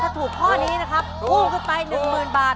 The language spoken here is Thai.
ถ้าถูกข้อนี้นะครับพุ่งขึ้นไป๑๐๐๐บาท